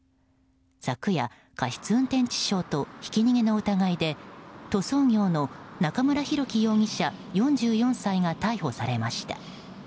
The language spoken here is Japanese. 昨夜、過失運転致傷とひき逃げの疑いで塗装業の中村広樹容疑者、４４歳が逮捕されました。